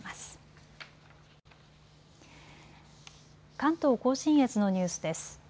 関東甲信越のニュースです。